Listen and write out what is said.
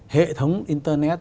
hệ thống internet